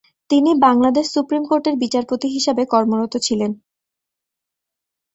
তিনি বাংলাদেশ সুপ্রিম কোর্টের "বিচারপতি" হিসাবে কর্মরত ছিলেন।